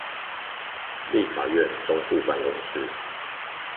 立法院中部辦公室